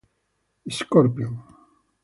The Scorpion